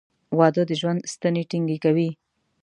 • واده د ژوند ستنې ټینګې کوي.